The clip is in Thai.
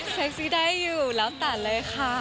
เซ็กซี่ได้อยู่เล้วยาวตาเลยค่ะ